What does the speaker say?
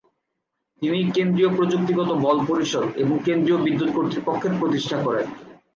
তিনি কেন্দ্রীয় প্রযুক্তিগত বল পরিষদ এবং কেন্দ্রীয় বিদ্যুত কর্তৃপক্ষের প্রতিষ্ঠা করেন।